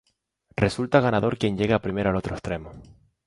Resulta ganador quien llega primero al otro extremo.